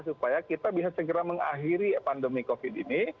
supaya kita bisa segera mengakhiri pandemi covid ini